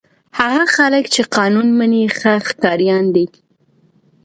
هغه خلک چې قانون مني ښه ښاریان دي.